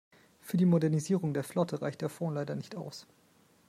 Für die Modernisierung der Flotte reicht der Fond leider nicht aus.